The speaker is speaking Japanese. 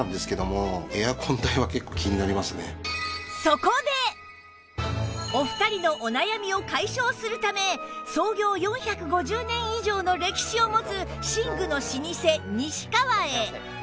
そこでお二人のお悩みを解消するため創業４５０年以上の歴史を持つ寝具の老舗西川へ